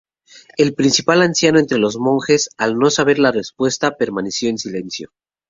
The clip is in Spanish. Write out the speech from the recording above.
El principal anciano entre los monjes, al no saber la respuesta permaneció en silencio.